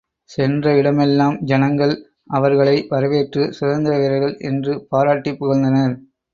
சென்ற இடமெல்லாம் ஜனங்கள் அவ்ர்களை வரவேற்று, சுதந்திர வீரர்கள் என்று பாராட்டிப் புகழ்ந்தனர்.